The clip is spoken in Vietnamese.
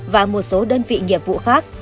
và một số đơn vị nghiệp vụ khác